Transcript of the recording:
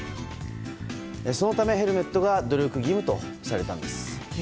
そのため、ヘルメットが努力義務とされたんです。